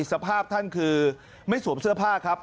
สภาพท่านคือไม่สวมเสื้อผ้าครับ